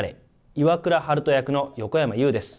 岩倉悠人役の横山裕です。